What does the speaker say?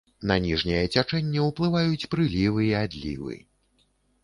На ніжняе цячэнне ўплываюць прылівы і адлівы.